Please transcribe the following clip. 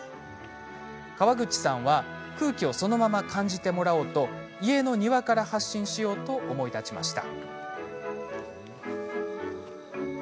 川口さんは空気をそのまま感じてもらおうと家の庭から発信しようと思い立ちました。